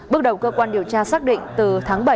bước đầu cơ quan điều tra xác định từ tháng bảy